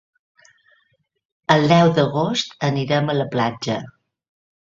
El deu d'agost anirem a la platja.